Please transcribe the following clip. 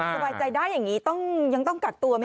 สบายใจได้อย่างงี้ยังต้องกัดตัวไหมครับคุณมดดำ